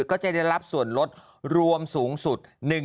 ก็จะได้รับส่วนลดรวมสูงสุด